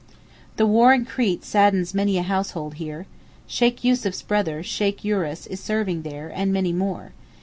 The war in Crete saddens many a household here. Sheykh Yussuf's brother, Sheykh Yooris, is serving there, and many more.